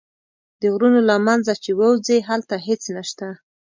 د غرونو له منځه چې ووځې هلته هېڅ نه شته.